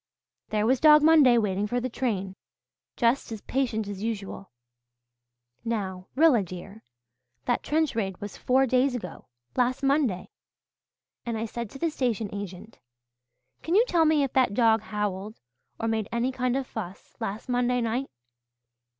There was Dog Monday, waiting for the train, just as patient as usual. Now, Rilla, dear, that trench raid was four days ago last Monday and I said to the station agent, 'Can you tell me if that dog howled or made any kind of a fuss last Monday night?'